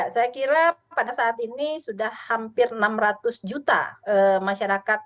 saya kira pada saat ini sudah hampir enam ratus juta masyarakat